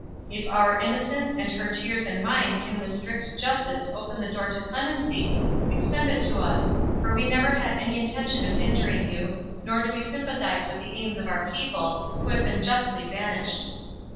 If our innocence and her tears and mine can with strict justice open the door to clemency, extend it to us, for we never had any intention of injuring you, nor do we sympathise with the aims of our people, who have been justly banished."